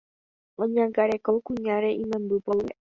oñangareko kuñáre imemby mboyve